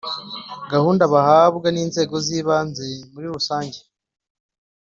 Gahunda bahabwa n’inzego z’ ibanze muri rusange